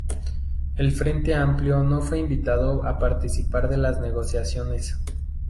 El Frente Amplio no fue invitado a participar de las negociaciones.